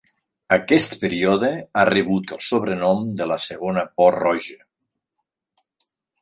Aquest període ha rebut el sobrenom de la Segona Por Roja.